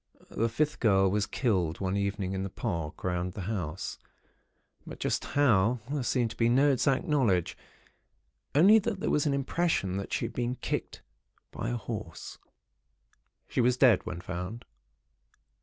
The fifth girl was killed one evening in the park round the house; but just how, there seemed to be no exact knowledge; only that there was an impression that she had been kicked by a horse. She was dead, when found.